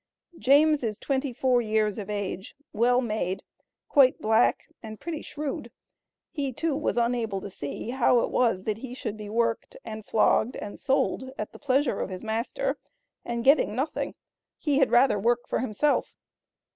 James is twenty four years of age, well made, quite black and pretty shrewd. He too was unable to see how it was that he should be worked, and flogged, and sold, at the pleasure of his master and "getting nothing;" he "had rather work for himself."